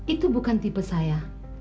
itu bukan tipe saya